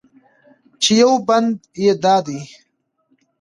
چې یو بند یې دا دی: